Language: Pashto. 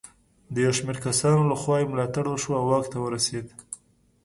د یو شمېر کسانو له خوا یې ملاتړ وشو او واک ته ورسېد.